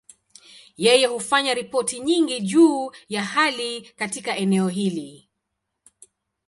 Yeye hufanya ripoti nyingi juu ya hali katika eneo hili.